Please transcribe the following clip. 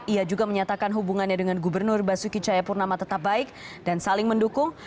ia juga menyatakan hubungannya dengan gubernur basuki cahayapurnama tetap baik dan saling mendukung